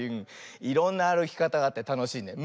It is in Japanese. いろんなあるきかたがあってたのしいね。